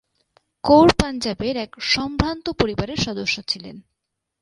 কৌর পাঞ্জাবের এক সম্ভ্রান্ত পরিবারের সদস্য ছিলেন।